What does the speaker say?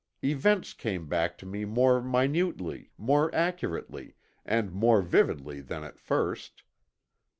Events came back to me more minutely, more accurately, and more vividly than at first.